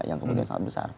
yang kemudian sangat besar